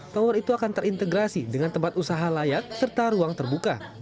tower itu akan terintegrasi dengan tempat usaha layak serta ruang terbuka